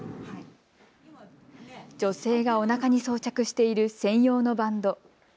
女性がおなかに装着している専用のバンド。